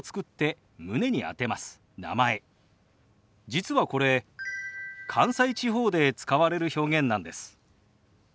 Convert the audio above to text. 実はこれ関西地方で使われる表現なんです。